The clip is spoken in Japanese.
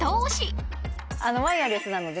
ワイヤレスなのでね